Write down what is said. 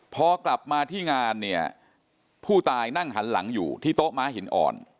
พอกลับมาที่งานเนี่ยผู้ตายนั่งหันหลังอยู่ที่โต๊ะม้าหินอ่อน